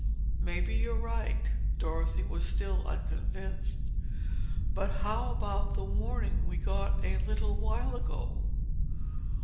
"Maybe you're right." Dorothy was still unconvinced. "But how about the warning we got a little while ago?"